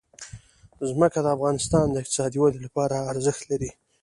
ځمکه د افغانستان د اقتصادي ودې لپاره ارزښت لري.